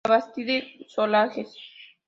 La Bastide-Solages